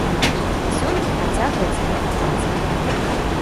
Сёлета працягваецца гэта праца.